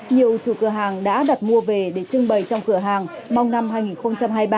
nhiều chủ cửa hàng đã đặt mua về để trưng bày trong cửa hàng mong năm hai nghìn hai mươi ba